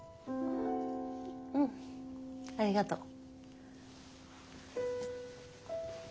うんありがとう。